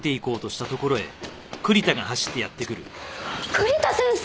栗田先生！